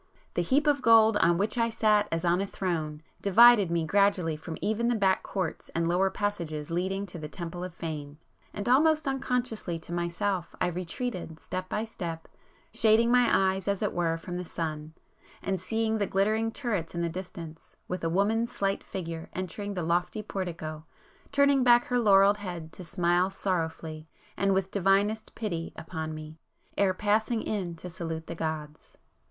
The heap of gold on which I sat as on a throne, divided me gradually from even the back courts and lower passages leading to the Temple of Fame,—and almost unconsciously to myself I retreated step by step, shading my eyes as it were from the sun, and seeing the glittering turrets in the distance, with a woman's slight figure [p 246] entering the lofty portico, turning back her laurelled head to smile sorrowfully and with divinest pity upon me, ere passing in to salute the gods.